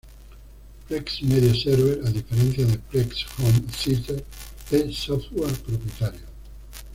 Plex Media Server, a diferencia de Plex Home Theater, es Software propietario.